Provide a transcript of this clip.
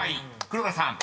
黒田さん］